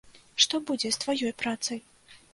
Што будзе з тваёй працай?